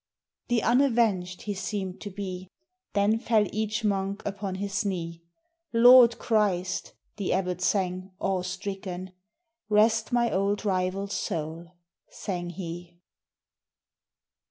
The Unavenged he seemed to be! Then fell each monk upon his knee: 'Lord Christ!' the abbot sang, awe stricken: 'Rest my old rival's soul!' sang he.